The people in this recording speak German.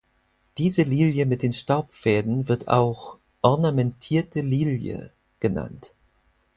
Diese Lilie mit den Staubfäden wird auch "ornamentierte Lilie" genannt.